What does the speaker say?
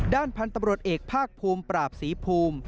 ด้านพันธุ์ตำรวจเอกภาคภูมิปราบศรีภูมิ